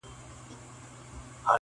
o پور چي تر سلو تېر سي، وچه مه خوره!